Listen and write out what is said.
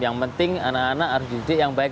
yang penting anak anak harus didik yang baik